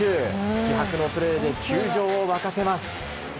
気迫のプレーで球場を沸かせます。